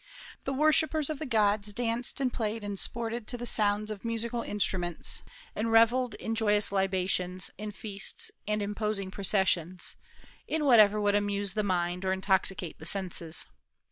The worshippers of the gods danced and played and sported to the sounds of musical instruments, and revelled in joyous libations, in feasts and imposing processions, in whatever would amuse the mind or intoxicate the senses.